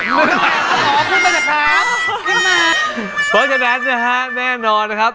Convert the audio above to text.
ขึ้นมาเดี๋ยวครับขึ้นมาเพราะฉะนั้นนะฮะแน่นอนนะครับ